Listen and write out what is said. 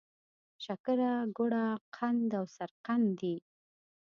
شکره، ګوړه، قند او سرقند دي.